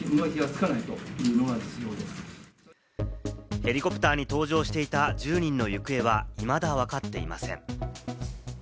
ヘリコプターに搭乗していた１０人の行方はいまだわかっていません。